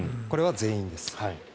これは全員です。